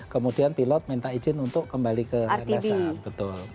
kemudian pilot minta izin untuk kembali ke renggasan